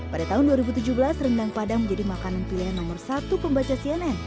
pada tahun dua ribu tujuh belas rendang padang menjadi makanan pilihan nomor satu pembaca cnn